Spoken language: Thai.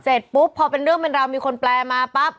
เสร็จปุ๊บพอเป็นเรื่องเป็นราวมีคนแปลมาปั๊บ